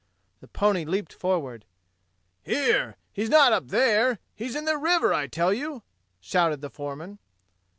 The pony leaped forward. "Here, he's not up there; he's in the river I tell you!" shouted the foreman.